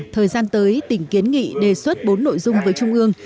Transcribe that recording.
thời gian tới tỉnh kiến nghị đề xuất bốn nội dung với trung ương